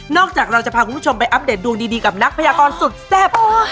จากเราจะพาคุณผู้ชมไปอัปเดตดวงดีกับนักพยากรสุดแซ่บ